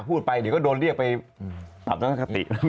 พูดไปเดี๋ยวก็โดนเรียกไปปรับทนคติ